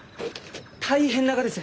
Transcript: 大変ながです！